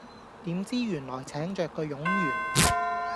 點知原來請著個冗員